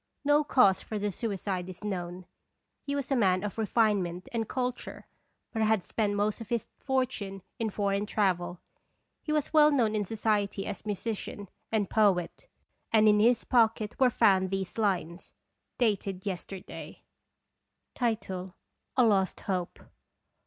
No cause for the suicide is known. He was a man of refine ment and culture, but had spent most of his fortune in foreign travel. He was well known in society as musician and poet, and in his pocket were found these lines (dated yester day): A LOST HOPE.